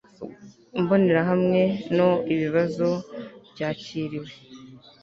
imbonerahamwe no ibibazo byakiriwe